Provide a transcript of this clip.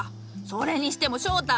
それにしても翔太！